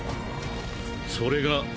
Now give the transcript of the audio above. それが。